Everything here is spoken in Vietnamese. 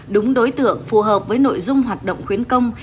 đúng đối tượng phù hợp với nội dung hoạt động khuyến công